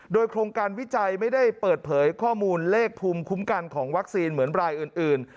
โดยโครงการวิจัยไม่ได้เปิดเผยข้อมูลเลขภูมิคุ้มกันของวัคซีนเหมือนรายอื่น